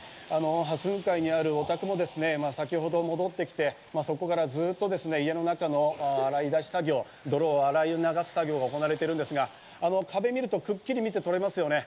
向かいにあるお宅も先ほど戻ってきて、そこからずっと家の中の洗い出し作業が行われているんですが、壁を見るとくっきり見て取れますよね。